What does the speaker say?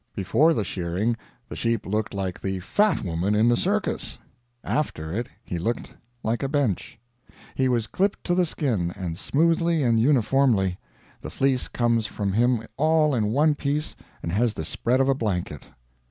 Before the shearing the sheep looked like the fat woman in the circus; after it he looked like a bench. He was clipped to the skin; and smoothly and uniformly. The fleece comes from him all in one piece and has the spread of a blanket.